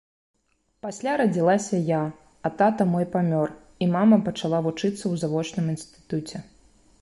Пасля радзілася я, а тата мой памёр, і мама пачала вучыцца ў завочным інстытуце.